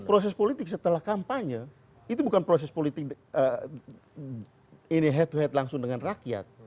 proses politik setelah kampanye itu bukan proses politik ini head to head langsung dengan rakyat